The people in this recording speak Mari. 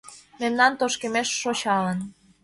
Мемнан тошкемеш шочалын.